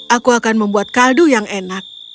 aku akan membuat kaldu yang enak